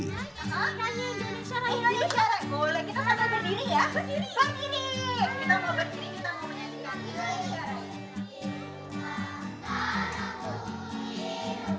yang pakai baju ini